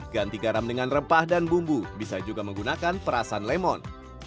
ganti garam dengan rempah dan bumbu bisa juga menggunakan perasan lemon